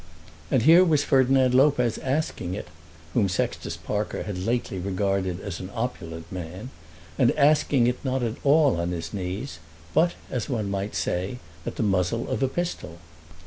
And here was Ferdinand Lopez asking it, whom Sextus Parker had latterly regarded as an opulent man, and asking it not at all on his knees, but, as one might say, at the muzzle of a pistol.